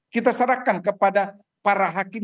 kita serahkan kepada para hakim